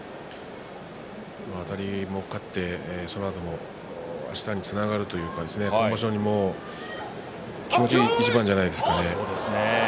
あたりも勝ってあしたにつながるというか今場所気持ち、１番じゃないですかね。